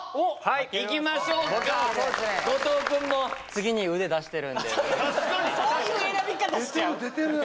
はいいきましょうか後藤君も確かに出てる出てる！